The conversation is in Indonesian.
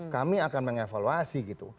kami akan mengevaluasi gitu